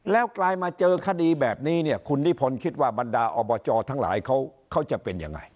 แล้วกลายมาเจอคดีแบบนี้เนี่ยคุณนิพนธ์คิดว่าบรรดาอบจทั้งหลายเขาจะเป็นยังไง